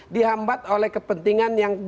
dihambat oleh kepentingan yang